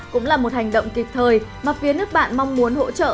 cũng là một hành động kịp thời mà phía nước bạn mong muốn hỗ trợ